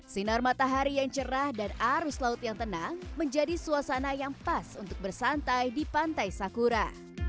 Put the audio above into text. sinar matahari yang cerah dan arus laut yang tenang menjadi suasana yang pas untuk bersantai di pantai sakura